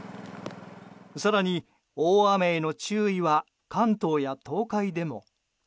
更に大雨への注意は関東や東海でも。